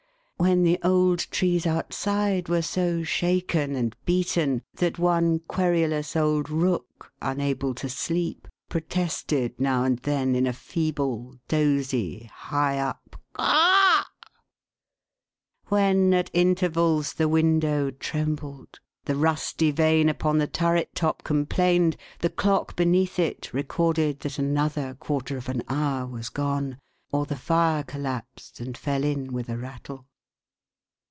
When the old trees outside were so shaken and beaten, that one querulous old rook, unable to sleep, protested now and then, in a feeble, dozy, high up " Caw !" When, at intervals, the window trembled, the rusty vane upon the turret top complained, the clock beneath it recorded that another quarter of an hour was gone, or the fire collapsed and fell in with a rattle.